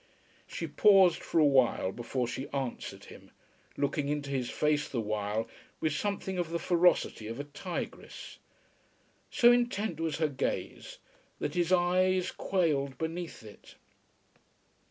She paused for a while before she answered him, looking into his face the while with something of the ferocity of a tigress. So intent was her gaze that his eyes quailed beneath it.